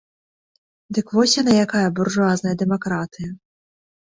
Дык вось яна якая, буржуазная дэмакратыя!